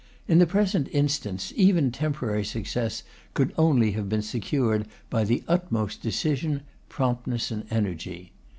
In the present instance, even temporary success could only have been secured by the utmost decision, promptness, and energy.